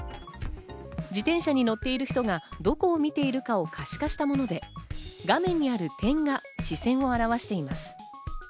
自転車に乗っている人がどこを見ているかを可視化したもので、画面にある点が視線を表しています。